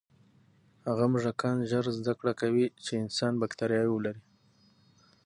هغه موږکان ژر زده کړه کوي چې انسان بکتریاوې لري.